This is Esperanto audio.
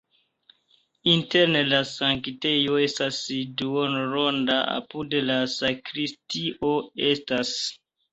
Interne la sanktejo estas duonronda, apude la sakristio estas.